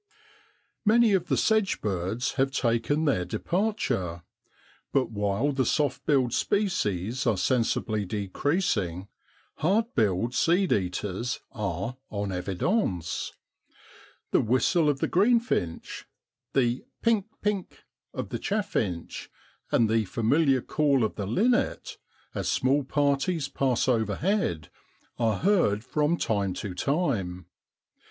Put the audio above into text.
Many of 96 SEPTEMBER IN BROADLAND. the sedge birds have taken their departure ; but while the soft billed species are sensibly decreasing, hard billed seed eaters are en evidence. The whistle of the greenfinch, the pink pink of the chaffinch, and the familiar call of the linnet, as small parties pass overhead, are heard from time to time.